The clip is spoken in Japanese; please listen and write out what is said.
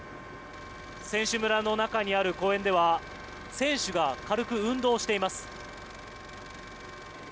選手村の中にある公園では選手が軽く運動しています。